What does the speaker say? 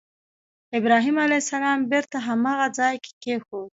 ابراهیم علیه السلام بېرته هماغه ځای کې کېښود.